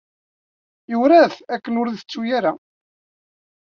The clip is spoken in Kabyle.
Yura-t akken ur t-itettu ara.